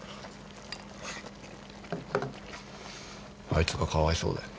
あいつがかわいそうだよ。